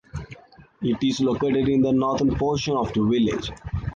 It is located in the northern portion of the village.